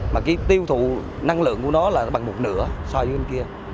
mà cái tiêu thụ năng lượng của nó là bằng một nửa so với bên kia